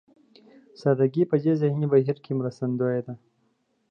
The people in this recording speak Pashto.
سادهګي په دې ذهني بهير کې مرستندوی دی.